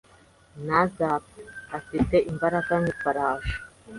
Ntazapfa. Afite imbaraga nk'ifarashi.